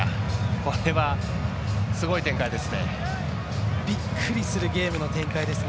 これはすごい展開ですね。